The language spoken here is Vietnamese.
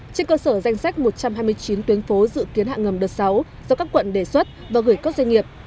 trên cơ sở danh sách một trăm hai mươi chín tuyến phố dự kiến hạ ngầm đợt sáu do các quận đề xuất và gửi các doanh nghiệp